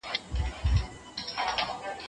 په غاړه راوړه امېلونه